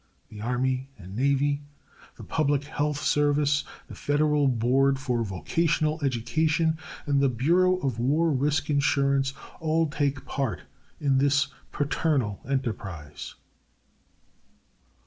The Army and Navy, the Public Health Service, the Federal Board for Vocational Education and the Bureau of War Risk Insurance all take part in this paternal enterprise.